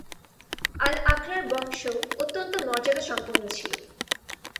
আল-আকরার বংশ অত্যন্ত মর্যাদাসম্পন্ন ছিল।